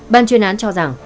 ban chuyên án cho rằng